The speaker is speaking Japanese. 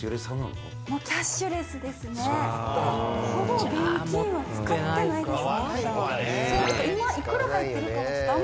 ほぼ現金は使ってないですね